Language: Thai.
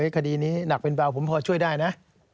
คดีนี้หนักเป็นเบาผมพอช่วยได้นะ